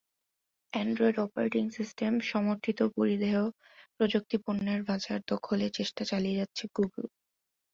Android operating system সমর্থিত পরিধেয় প্রযুক্তিপণ্যের বাজার দখলে চেষ্টা চালিয়ে যাচ্ছে গুগল।